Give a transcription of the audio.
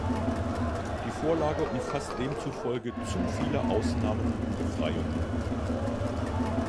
Die Vorlage umfasst demzufolge zu viele Ausnahmen und Befreiungen.